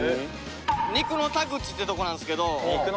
「肉の田口」ってとこなんですけど。